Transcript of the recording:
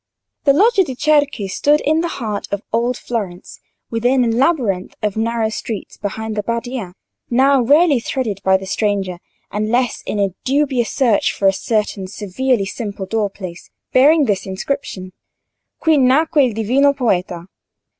The Loggia de' Cerchi stood in the heart of old Florence, within a labyrinth of narrow streets behind the Badia, now rarely threaded by the stranger, unless in a dubious search for a certain severely simple doorplace, bearing this inscription: Qui Nacque Il Divino Poeta.